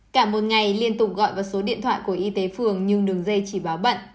cả một ngày liên tục gọi vào số điện thoại của y tế phường nhưng đường dây chỉ báo bận